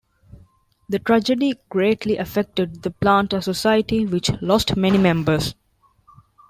The tragedy greatly affected the planter society, which lost many members.